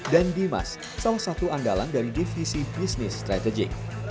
dan dimas salah satu andalan dari divisi business strategy